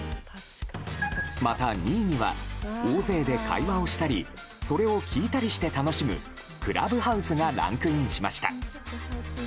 また２位には大勢で会話をしたりそれを聞いたりして楽しむクラブハウスがランクインしました。